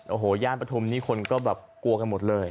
โอ้โหย่านปฐุมนี่คนก็แบบกลัวกันหมดเลย